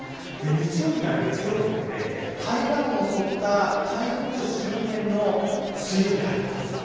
日曜日から月曜日にかけて台湾を襲った台風周辺の水蒸気が入ってきます。